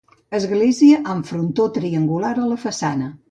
Església amb frontó triangular a la façana.